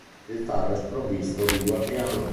Il faro è sprovvisto di guardiano.